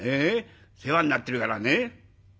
世話になってるからね」。